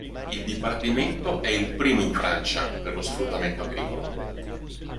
Il dipartimento è il primo in Francia per lo sfruttamento agricolo.